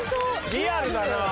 リアルだな。